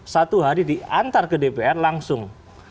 satu hari diantar ke dpr langsung